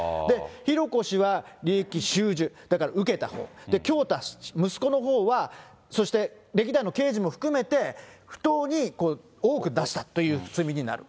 浩子氏は利益収受、だから受けたほう、京大氏、息子のほうは、そして歴代の経営陣も含めて、不当に多く出したという罪になる。